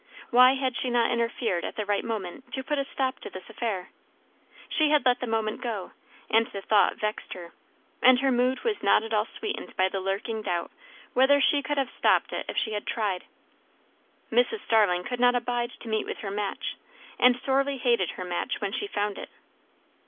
Why had she not interfered at the right moment, to put a stop to this affair? She had let the moment go, and the thought vexed her; and her mood was not at all sweetened by the lurking doubt whether she could have stopped it if she had tried. Mrs. Starling could not abide to meet with her match, and sorely hated her match when she found it.